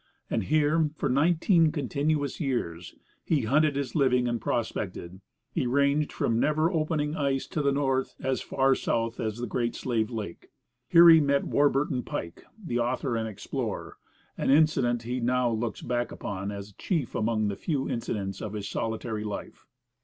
And here, for nineteen continuous years, he hunted his living and prospected. He ranged from the never opening ice to the north as far south as the Great Slave Lake. Here he met Warburton Pike, the author and explorer an incident he now looks back upon as chief among the few incidents of his solitary life.